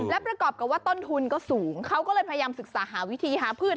และประกอบกับว่าต้นทุนก็สูงเขาก็เลยพยายามศึกษาหาวิธีหาพืช